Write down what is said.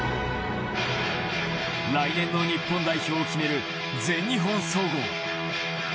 来年の日本代表を決める全日本総合。